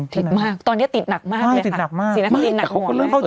ติดมากตอนนี้ดีติดหนักมากเลยแหละอะสีนครินหนักของของใช่มะ